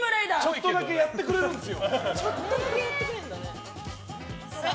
ちょっとだけやってくれるんだね。